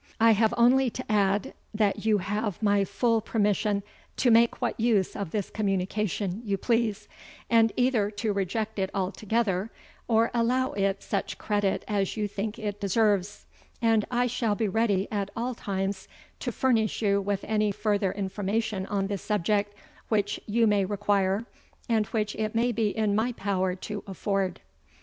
"I have only to add, that you have my full permission to make what use of this communication you please, and either to reject it altogether, or allow it such credit as you think it deserves; and I shall be ready at all times to furnish you with any further information on this subject which you may require, and which it may be in my power to afford.